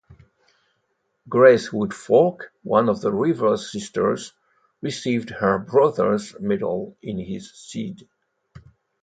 Grace Woodfork, one of Rivers' sisters, received her brother's medal in his stead.